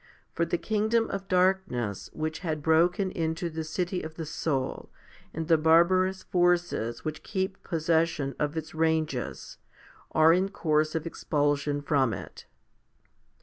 For the kingdom of darkness which had broken into the city of the soul, and the barbarous forces which keep possession of its ranges, are in course of expulsion from it.